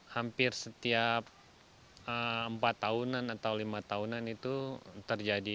hampir setiap empat tahunan atau lima tahunan itu terjadi